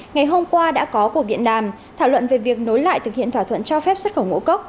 ngày hôm qua đã có cuộc điện đàm thảo luận về việc nối lại thực hiện thỏa thuận cho phép xuất khẩu ngũ cốc